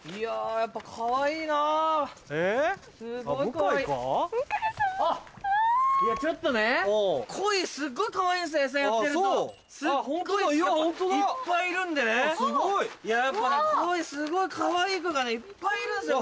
やっぱ鯉すごいかわいい子がねいっぱいいるんですよ